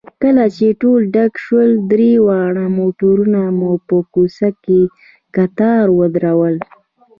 کله چې ټول ډک شول، درې واړه موټرونه مو په کوڅه کې کتار ودرول.